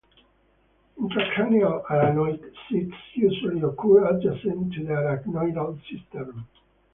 Intracranial arachnoid cysts usually occur adjacent to the arachnoidal cistern.